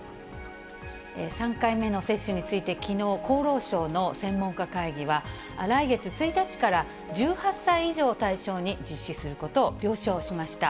３回目の接種についてきのう、厚労省の専門家会議は、来月１日から１８歳以上を対象に実施することを了承しました。